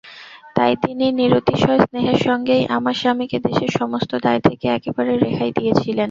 তাই তিনি নিরতিশয় স্নেহের সঙ্গেই আমার স্বামীকে দেশের সমস্ত দায় থেকে একেবারে রেহাই দিয়েছিলেন।